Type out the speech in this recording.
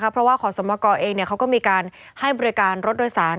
เพราะว่าขอสมกรเองเขาก็มีการให้บริการรถโดยสาร